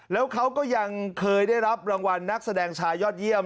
แล้วเขาก็ยังเคยได้รับรางวัลนักแสดงชายยอดเยี่ยม